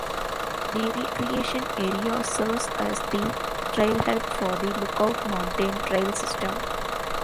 The recreation area serves as the trailhead for the Lookout Mountain Trail system.